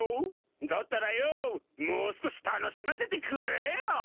だったらよもう少し楽しませてくれよぉ！